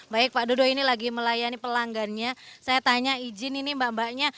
baik pak dodo ini lagi melayani pelanggannya saya tanya izin ini mbak mbaknya